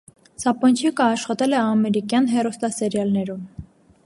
Սապոչնիկը աշխատել է ամերիկյան հեռուստասերիալներում։